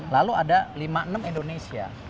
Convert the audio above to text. lalu ada lima enam indonesia